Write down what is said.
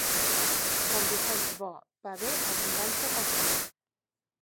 Sant Vicenç bo, va bé, abundància pel celler.